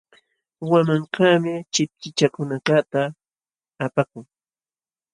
Wanmankaqmi chipchichakunakaqta apakun.